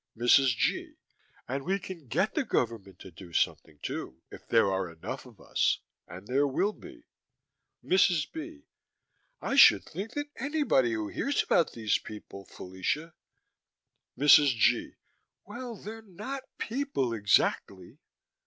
MRS. G.: And we can get the government to do something, too. If there are enough of us and there will be. MRS. B.: I should think anybody who hears about these people, Fellacia MRS. G.: Well, they're not people, exactly.